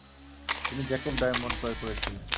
তিনি Jacob diamond ক্রয় করেছিলেন।